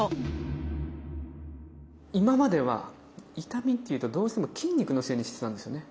今までは痛みっていうとどうしても筋肉のせいにしてたんですよね。